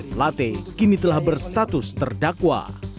plate kini telah berstatus terdakwa